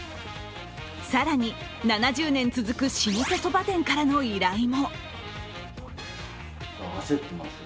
更に７０年続く老舗そば店からの依頼も。